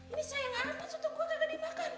ini sayang banget sumpah gue gak jadi makan